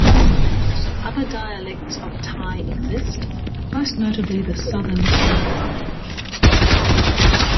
Other dialects of Thai exist, most notably the Southern Thai language.